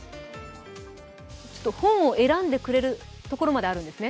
本を選んでくれるところまであるんですね。